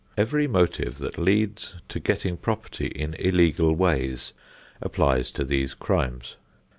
Every motive that leads to getting property in illegal ways applies to these crimes.